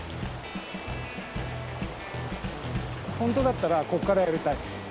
ほんとだったらここからやりたい。